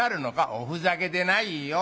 「おふざけでないよ。